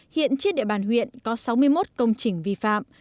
hiện trên địa bàn huyện có sáu mươi một công trình vi phạm